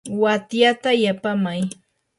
watyata yapaamay.